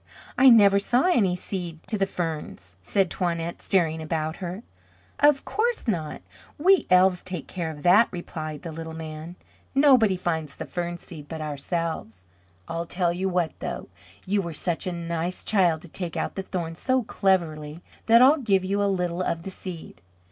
I never saw any seed to the ferns," said Toinette, staring about her. "Of course not we elves take care of that," replied the little man. "Nobody finds the fern seed but ourselves. I'll tell you what, though. You were such a nice child to take out the thorn so cleverly, that I'll give you a little of the seed.